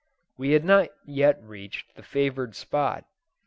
We had not yet reached the favoured spot.